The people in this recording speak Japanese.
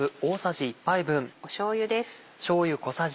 しょうゆです。